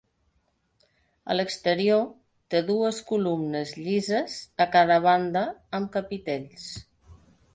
A l'exterior té dues columnes llises a casa banda amb capitells.